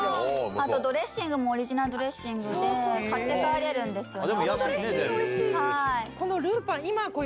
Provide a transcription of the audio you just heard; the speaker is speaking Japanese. あと、ドレッシングもオリジナルドレッシングで、買って帰れるんですよね。